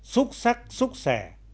xúc xắc xúc xẻ